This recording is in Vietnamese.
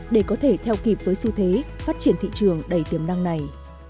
để có thể theo kịp với xu thế phát triển thị trường đầy tiềm năng này